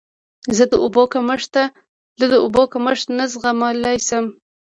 زه د اوبو کمښت نه زغملی شم.